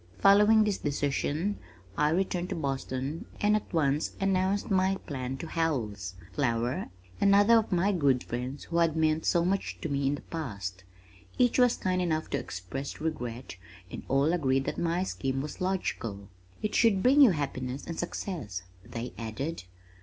Following this decision, I returned to Boston, and at once announced my plan to Howells, Flower and other of my good friends who had meant so much to me in the past. Each was kind enough to express regret and all agreed that my scheme was logical. "It should bring you happiness and success," they added.